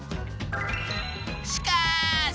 しかし！